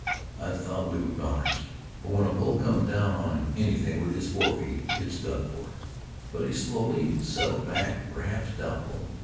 I thought we were goners, for when a bull comes down on anything with his forefeet, it's done for. But he slowly settled back, perhaps doubtful.